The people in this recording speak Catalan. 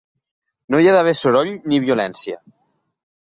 No hi ha d'haver soroll ni violència.